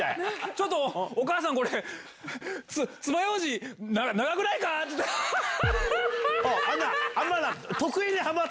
ちょっとお母さんこれ、つまようじ、なんか長くないかっていって、はっはっはっ。